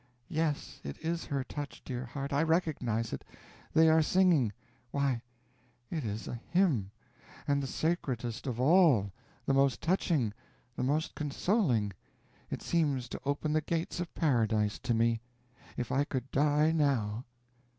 "Yes, it is her touch, dear heart, I recognize it. They are singing. Why it is a hymn! and the sacredest of all, the most touching, the most consoling.... It seems to open the gates of paradise to me.... If I could die now...."